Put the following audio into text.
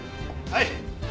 はい。